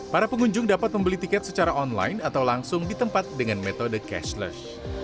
para pengunjung dapat membeli tiket secara online atau langsung di tempat dengan metode cashless